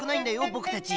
ぼくたち！